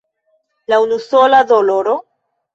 Unusola doloro?